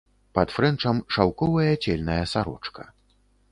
Пад фрэнчам шаўковая цельная сарочка.